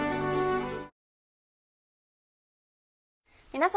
皆様。